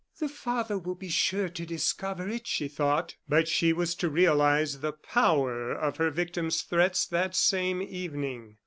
"The father will be sure to discover it," she thought. But she was to realize the power of her victim's threats that same evening.